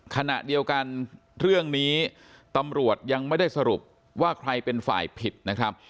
ขณะเดียวกันเรื่องนี้ตำรวจยังไม่ได้สรุปว่าใครเป็นฝ่ายผิดนะครับ